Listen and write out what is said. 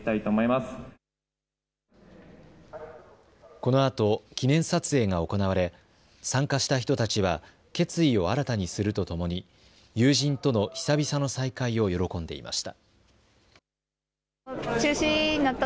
このあと、記念撮影が行われ参加した人たちは決意を新たにするとともに友人との久々の再会を喜んでいました。